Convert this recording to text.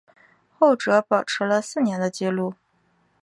后者保持了四年的纪录。